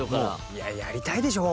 いややりたいでしょう。